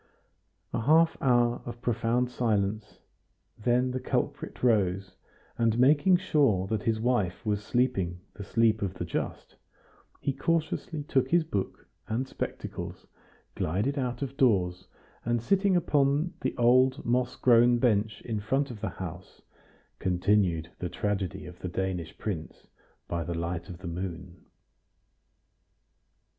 A half hour of profound silence, then the culprit rose, and making sure that his wife was sleeping the sleep of the just, he cautiously took his book and spectacles, glided out of doors, and sitting upon the old moss grown bench in front of the house, continued the tragedy of the Danish prince by the light of the moon.